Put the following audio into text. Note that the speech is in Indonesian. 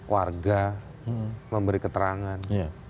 warga memberi keterangan